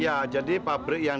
ya jadi pabrik yang